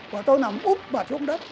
và tôi nằm úp vào trung đất